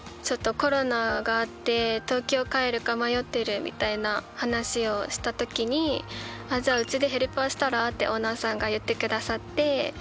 ちょっとコロナがあって東京帰るか迷ってるみたいな話をした時に「じゃあうちでヘルパーしたら？」ってオーナーさんが言ってくださって。